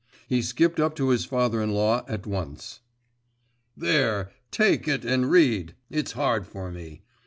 He skipped up to his father in law at once. 'There, take it and read! It's hard for me.